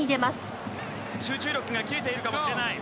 集中力が切れているかもしれない。